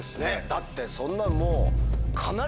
だってそんなんもう。